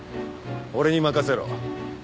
俺に任せろ。